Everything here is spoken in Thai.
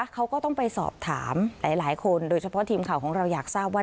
เขาก็ต้องไปสอบถามหลายคนโดยเฉพาะทีมข่าวของเราอยากทราบว่า